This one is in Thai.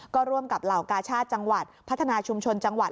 ก็ร่วมกับเหล่ากาชาติจังหวัดพัฒนาชุมชนจังหวัด